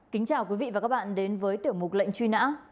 kính chào quý vị và các bạn đến với tiểu mục lệnh truy nã